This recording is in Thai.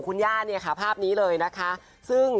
คุณย่าเนี่ยค่ะภาพนี้เลยนะคะซึ่ง